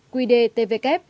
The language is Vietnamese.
quy đề tvk